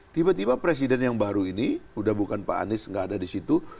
tiba tiba presiden yang baru ini udah bukan pak anies nggak ada di situ